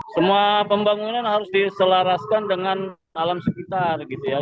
semua pembangunan harus diselaraskan dengan alam sekitar gitu ya